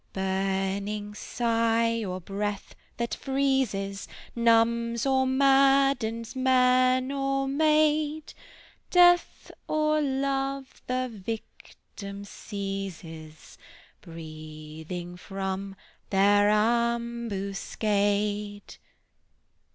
Burning sigh, or breath that freezes, Numbs or maddens man or maid; Death or Love the victim seizes, Breathing from their ambuscade."